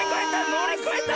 のりこえた！